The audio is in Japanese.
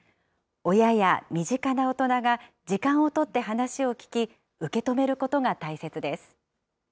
親や身近な大人が時間を取って話を聞き、受け止めることが大切です。